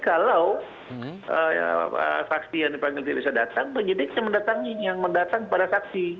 kalau saksi yang dipanggil tidak bisa datang penyidiknya mendatangi yang mendatang kepada saksi